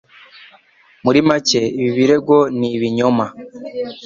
Muri make, ibi birego ni ibinyoma.